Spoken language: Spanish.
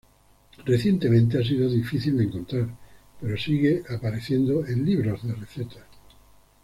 Recientemente ha sido difícil de encontrar, pero sigue apareciendo en libros de recetas.